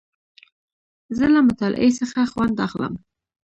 زه له مطالعې څخه خوند اخلم.